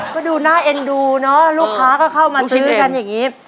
ก็ดูน่าเอ็นดูเนอะลูกค้าก็เข้ามาซื้อกันอย่างนี้